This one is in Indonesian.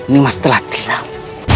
nimas telah hilang